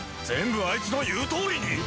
全部あいつの言うとおりに？